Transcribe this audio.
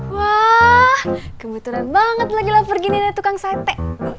wah kebetulan banget lagi lover gini dari tukang sate